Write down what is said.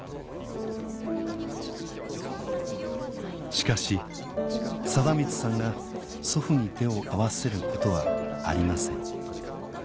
しかし貞満さんが祖父に手を合わせることはありません